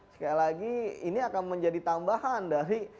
sekali lagi ini akan menjadi tambahan dari